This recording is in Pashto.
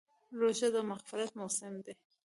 روژه د مغفرت موسم دی.